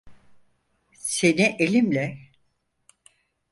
Seni elimle…